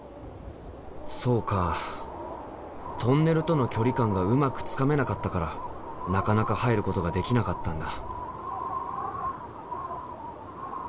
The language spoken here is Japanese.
そうかトンネルとの距離感がうまくつかめなかったからなかなか入ることができなかったんだ。